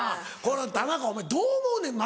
田中お前どう思うねん？